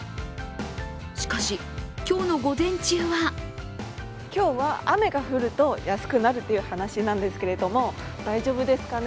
しかし、今日の午前中は今日は雨が降ると安くなるという話なんですけれども大丈夫ですかね？